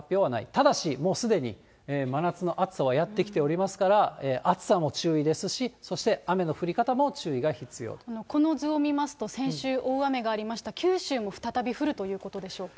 ただし、真夏の暑さはやってきておりますから、暑さも注意ですし、この図を見ますと、先週大雨がありました、九州も再び降るということでしょうか。